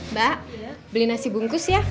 mbak beli nasi bungkus ya